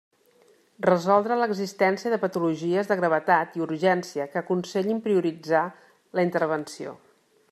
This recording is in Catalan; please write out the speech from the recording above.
Resoldre l'existència de patologies de gravetat i urgència que aconsellin prioritzar la intervenció.